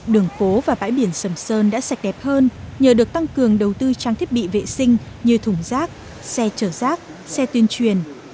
đường phố và bãi biển sầm sơn đã sạch đẹp hơn nhờ được tăng cường đầu tư trang thiết bị vệ sinh như thùng rác xe chở rác xe tuyên truyền